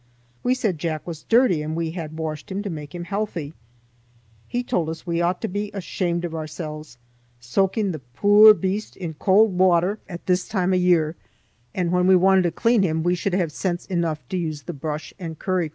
We said Jack was dirty and we had washed him to make him healthy. He told us we ought to be ashamed of ourselves, "soaking the puir beast in cauld water at this time o' year"; that when we wanted to clean him we should have sense enough to use the brush and curry comb.